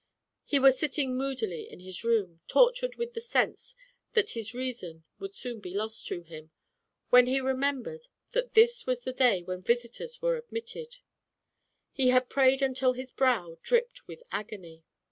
He was sitting moodily in his room, tortured with the sense that his reason would soon be lost to him, when he remembered Digitized by Google 226 fM^ Pa te 6P FENELlA. that this was the day when visitors ^ere ad mitted. He had prayed until his brow dripped with agony.